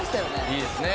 いいですね。